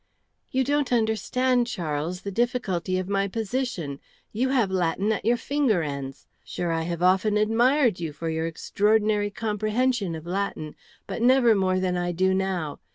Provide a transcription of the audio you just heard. "You don't understand, Charles, the difficulty of my position. You have Latin at your finger ends. Sure, I have often admired you for your extraordinary comprehension of Latin, but never more than I do now.